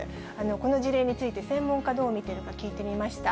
この事例について専門家、どう見ているか、聞いてみました。